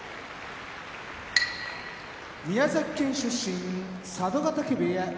宮崎県出身佐渡ヶ嶽部屋